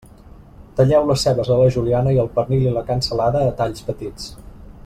Talleu les cebes a la juliana i el pernil i la cansalada a talls petits.